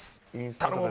頼む！